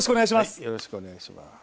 よろしくお願いします。